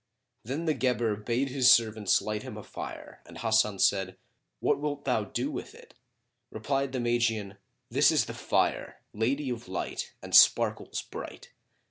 Then the Guebre bade his servants light him a fire and Hasan said, "What wilt thou do with it?" Replied the Magian, "This is the Fire, lady of light and sparkles bright!